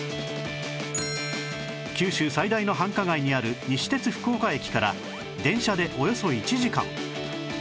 九州最大の繁華街にある西鉄福岡駅から電車でおよそ１時間